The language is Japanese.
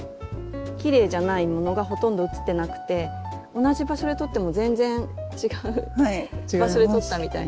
きれいじゃないものがほとんど写ってなくて同じ場所で撮っても全然違う場所で撮ったみたいなね